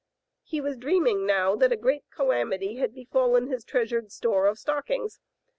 He was dreaming now that a great calamity had befallen his treasured store of stockings.